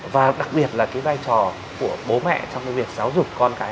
và đặc biệt là vai trò của bố mẹ trong việc giáo dục con cái